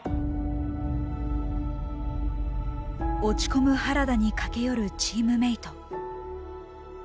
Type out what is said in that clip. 落ち込む原田に駆け寄るチームメート。